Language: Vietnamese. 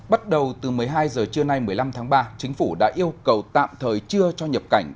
bắt đầu từ một mươi hai h trưa nay một mươi năm tháng ba chính phủ đã yêu cầu tạm thời trưa cho nhập cảnh